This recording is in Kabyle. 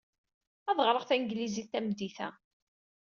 Ad ɣreɣ tanglizit tameddit-a.